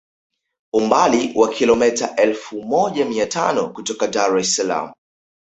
Umbali wa kilometa elfu moja mia tano kutoka Dar es Salaam